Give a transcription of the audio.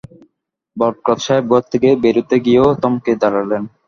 বরকত সাহেব ঘর থেকে বেরুতে গিয়েও থমকে দাঁড়ালেন।